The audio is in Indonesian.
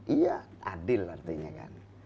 iya adil artinya kan